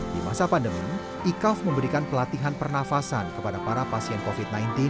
di masa pandemi ikaf memberikan pelatihan pernafasan kepada para pasien covid sembilan belas